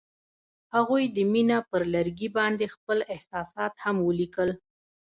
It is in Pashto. هغوی د مینه پر لرګي باندې خپل احساسات هم لیکل.